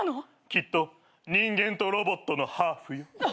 きっと人間とロボットのハーフよ。